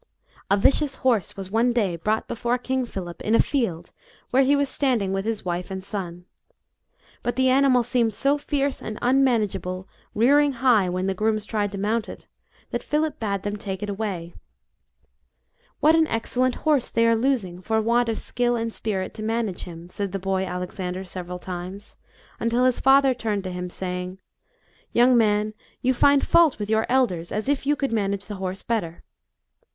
A vicious horse was one day brought before King Philip in a field where he was standing with his wife and son. But the animal seemed so fierce and unmanageable, rearing high when the grooms tried to mount it, that Philip bade them take it away. " What an excellent horse they are losing for want of skill and spirit to manage him," said the boy Alexander several times, until his father turned to him, saying, " Young man, you find fault with your elders, as if you could manage the horse better."